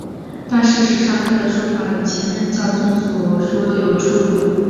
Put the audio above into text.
但事实上他的说法与前任教宗所说的有出入。